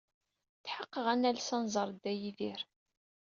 Tḥeqqeɣ ad nales ad nẓer Dda Yidir.